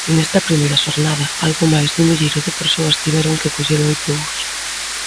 Nesta primeira xornada, algo máis dun milleiro de persoas tiveron que coller o autobús.